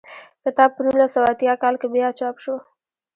کتاب په نولس سوه اتیا کال کې بیا چاپ شو.